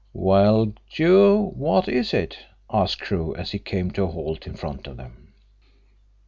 "Well, Joe, what is it?" asked Crewe, as he came to a halt in front of them.